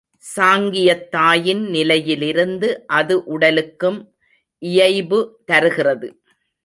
சாங்கியத் தாயின் நிலையிலிருந்து அது உடலுக்கும் இயைபு தருகிறது.